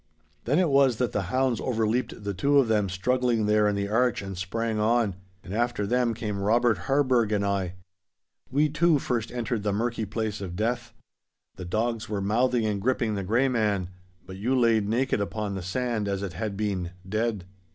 'Then it was that the hounds over leaped the two of them struggling there in the arch and sprang on, and after them came Robert Harburgh and I. We two first entered the murky place of death. The dogs were mouthing and gripping the Grey Man. But you lay naked upon the sand as it had been dead.